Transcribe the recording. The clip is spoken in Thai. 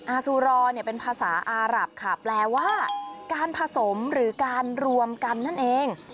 อาซูรอเนี่ยเป็นภาษาอารับค่ะแปลว่าการผสมหรือการรวมกันนั่นเอง